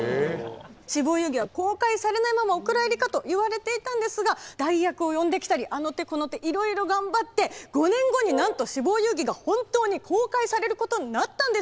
「死亡遊戯」は公開されないままお蔵入りかといわれていたんですが代役を呼んできたりあの手この手いろいろ頑張って５年後になんと「死亡遊戯」が本当に公開されることになったんです。